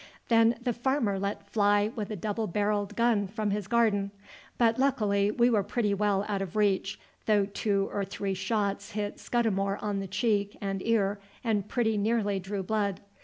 Then the farmer let fly with a double barrelled gun from his garden; but luckily we were pretty well out of reach, though two or three shots hit Scudamore on the cheek and ear and pretty nearly drew blood.